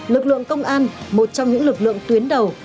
lực lượng công an một trong những lực lượng tuyến đầu